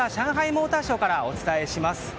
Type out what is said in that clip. モーターショーからお伝えします。